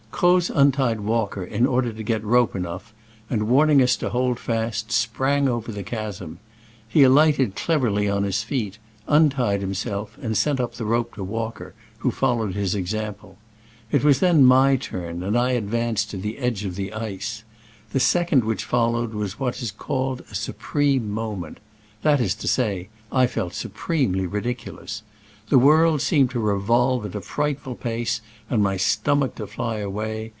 Croz untied* Walker in order to get rope enough, and, warning us to hold fast, sprang over the chasm. He alight ed cleverly on his feet, untied himself and sent up the rope to Walker, who followed his example. It was then my turn, and I advanced to the edge of the ice. The second which followed was what is called a supreme moment. That is to say, I felt supremely ridiculous. The world seemed to revolve at a fright ful pace and my stomach to fly away.